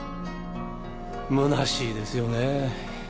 むなしいですよね。